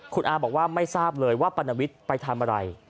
คุณอาบอกว่าไม่ทราบเลยว่าปรณวิทย์ไปทำอะไร